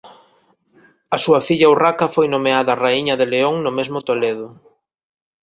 A súa filla Urraca foi nomeada raíña de León no mesmo Toledo.